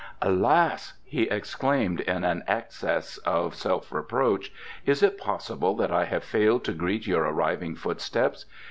"Alas!" he exclaimed, in an access of self reproach, "is it possible that I have failed to greet your arriving footsteps?